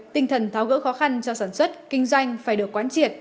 tinh thần tháo gỡ khó khăn cho sản xuất kinh doanh phải được quán triệt